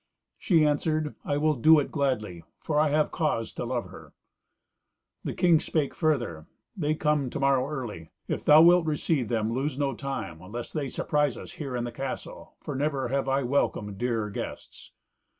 She answered, "I will do it gladly, for I have cause to love her." The king spake further, "They come to morrow early. If thou wilt receive them, lose no time, lest they surprise us here in the castle, for never have I welcomed dearer guests."